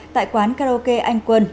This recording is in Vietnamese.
tại quán karaoke anh quân